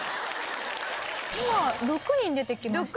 今６人出てきましたよね。